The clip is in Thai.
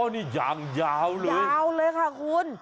นี่ยางยาวเลยยาวเลยค่ะคุณ